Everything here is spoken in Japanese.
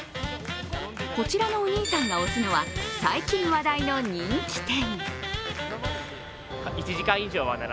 こちらのお兄さんが推すのは最近話題の人気店。